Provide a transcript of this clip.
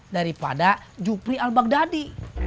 daripada jufri al baghdadi